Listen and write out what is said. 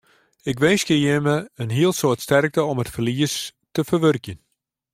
Ik winskje jimme in hiel soad sterkte om it ferlies te ferwurkjen.